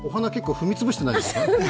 踏み潰してないです。